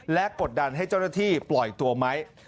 และกดดันให้เจ้าหน้าที่ปล่อยตัวไหม